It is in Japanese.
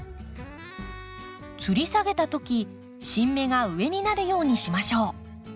つり下げた時新芽が上になるようにしましょう。